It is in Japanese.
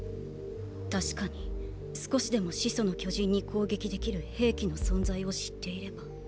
確かに少しでも始祖の巨人に攻撃できる兵器の存在を知っていれば。